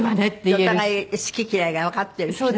お互い好き嫌いがわかってるしね。